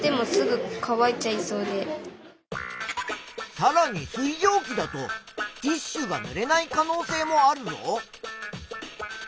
さらに水蒸気だとティッシュがぬれない可能性もあるぞ。